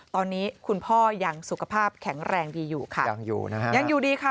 ตอนนี้คุณพ่อยังสุขภาพแข็งแรงดีอยู่ค่ะยังอยู่นะฮะยังอยู่ดีค่ะ